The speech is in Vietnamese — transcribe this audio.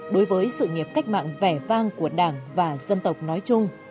đối với sự nghiệp cách mạng vẻ vang của đảng và dân tộc nói chung